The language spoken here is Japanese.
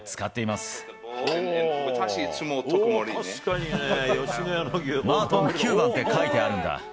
まーとん９番って書いてあるんだ。